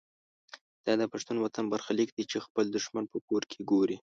دا د پښتون وطن برخلیک دی چې خپل دښمن په کور کې ګوري.